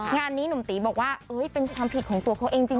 งานนี้หนุ่มตีบอกว่าเป็นความผิดของตัวเขาเองจริง